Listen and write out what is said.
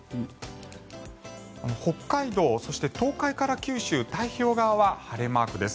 北海道、そして東海から九州太平洋側は晴れマークです。